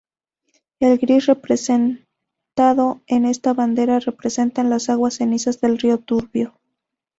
El gris representado en esta bandera representan las aguas cenizas del Río Turbio.